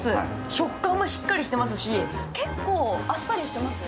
食感もしっかりしてますし結構あっさりしてますね。